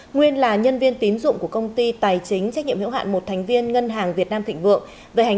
nguyên là nhân viên tín dụng của công ty tài chính trách nhiệm hiệu hạn một thành viên ngân hàng việt nam thịnh vượng